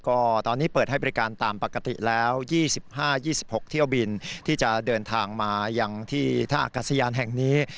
ก็ตอนนี้เปิดให้บริการตามปกติแล้ว๒๕๒๖เที่ยวบินที่จะเดินทางมายังที่ท่าอากาศยานแห่งนี้